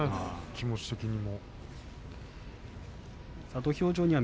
気持ち的には。